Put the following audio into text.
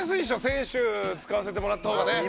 選手使わせてもらった方がね。